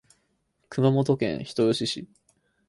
熊本県人吉市